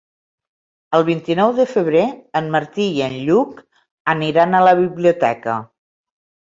El vint-i-nou de febrer en Martí i en Lluc aniran a la biblioteca.